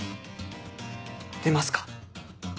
出ますか？